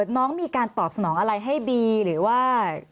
น้องมีการตอบสนองอะไรให้บีหรือว่า